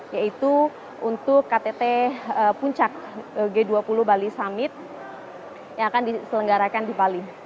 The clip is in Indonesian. yaitu untuk ktt puncak g dua puluh bali summit yang akan diselenggarakan di bali